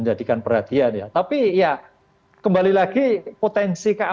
jika masyarakat tidak bisa memiliki kekecewaan